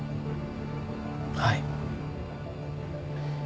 はい。